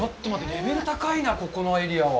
レベル高いな、ここのエリアは。